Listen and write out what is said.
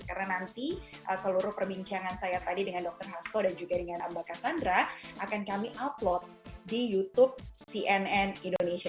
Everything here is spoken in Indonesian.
karena nanti seluruh perbincangan saya tadi dengan dr hasto dan juga dengan mbak kassandra akan kami upload di youtube cnn indonesia